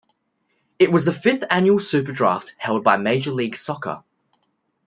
It was the fifth annual SuperDraft held by Major League Soccer.